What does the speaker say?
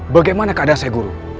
bagaimana keadaan syekh guru